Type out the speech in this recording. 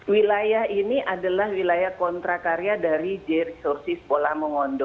wilayah ini adalah wilayah kontrak karya dari j resources bola mengondo